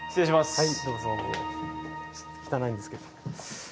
はい。